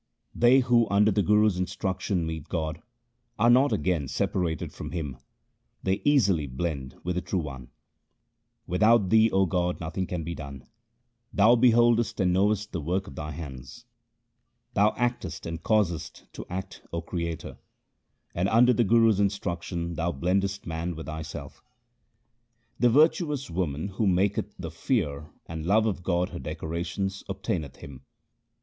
They who under the Guru's instruction meet God, are not again separated from Him ; they easily blend with the True One. Without Thee, O God, nothing can be done ; Thou beholdest and knowest the work of Thy hands. HYMNS OF GURU AMAR DAS 177 Thou act est and causest to act, O Creator ; and under the Guru's instruction Thou blendest man with Thyself. The virtuous woman who maketh the fear And love of God her decorations, obtaineth Him.